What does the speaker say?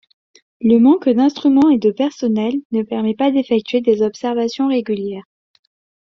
Le manque d'instruments et de personnel ne permet par d'effectuer des observations régulières.